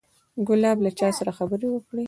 ګلاب له چا سره خبرې وکړې.